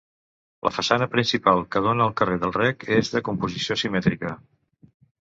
La façana principal, que dóna al carrer del Rec, és de composició simètrica.